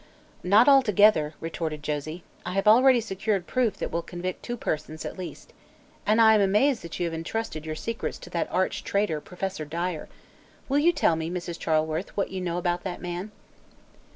"Not altogether," retorted Josie. "I have already secured proof that will convict two persons, at least. And I am amazed that you have intrusted your secrets to that arch traitor, Professor Dyer. Will you tell me, Mrs. Charleworth, what you know about that man?"